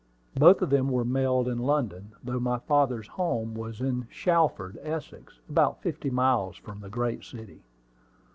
Both of them were mailed in London, though my father's home was in Shalford, Essex, about fifty miles from the great city.